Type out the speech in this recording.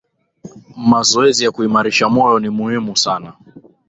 Mazoezi ya kuimarisha moyo ni muhimu sana